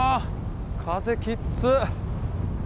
風きっつ！